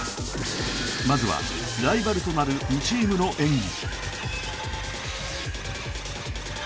まずはライバルとなる２チームの演技